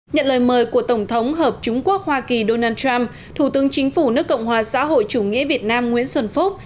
nhận lời mời của tổng thống hợp chúng quốc hoa kỳ donald trump thủ tướng chính phủ nước cộng hòa xã hội chủ nghĩa việt nam nguyễn xuân phúc